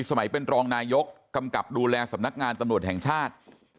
เป็นรองนายกกำกับดูแลสำนักงานตำรวจแห่งชาติ